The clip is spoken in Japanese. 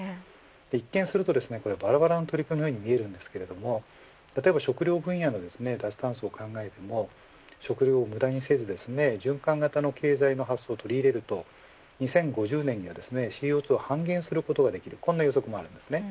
一見すると、ばらばらの取り組みのように見えますが例えば食料分野の脱炭素を考えても食料を無駄にせず循環型の経済の発想を取り入れると２０５０年にはＣＯ２を半減することができるという予測もあります。